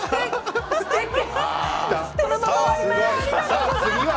すてき。